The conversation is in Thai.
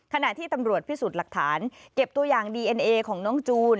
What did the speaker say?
ขณะที่ตำรวจพิสูจน์หลักฐานเก็บตัวอย่างดีเอ็นเอของน้องจูน